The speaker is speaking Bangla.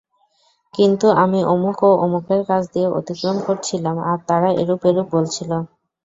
কিন্তু আমি অমুক ও অমুকের কাছ দিয়ে অতিক্রম করছিলাম আর তারা এরূপ এরূপ বলছিল।